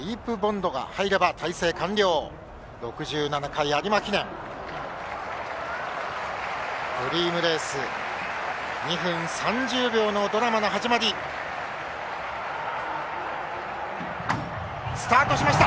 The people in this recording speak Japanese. ドリームレース、２分３０秒のドラマが始まり。スタートしました。